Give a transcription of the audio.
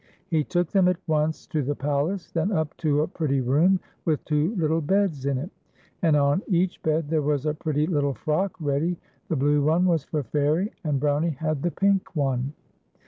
He took them at once to the palace, then up to a pretty room with two little beds in it. And on each bed there was a pretty little frock ready ; the blue one was for Fairie, and Brownie had the pink one.